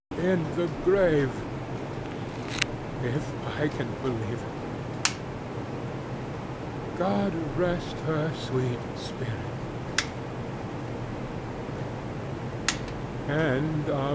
In the graveŌĆöif I can believe it. God rest her sweet spirit!